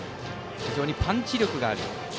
非常にパンチ力がある。